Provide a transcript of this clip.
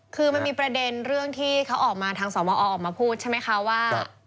คือมันมีประเด็นเรื่องที่เขาออกมาทางสมอออกมาพูดใช่ไหมคะว่า